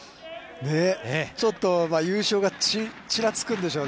◆ちょっと優勝がちらつくんでしょうね。